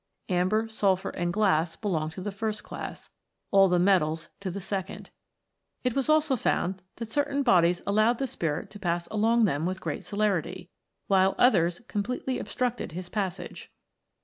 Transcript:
Amber, sulphur, and glass belong to the first class ; all the metals to the second. It was also found that certain bodies allowed the Spirit to pass along them with great THE AMBER SPIRIT. 17 celerity, while others completely obstructed his passage.